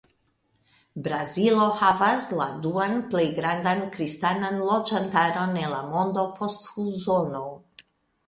Brazilo havas la duan plej grandan kristanan loĝantaron en la mondo post Usono.